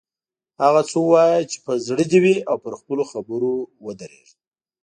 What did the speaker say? هغه څه ووایه چې په زړه دې وي او پر خپلو خبرو ودریږه.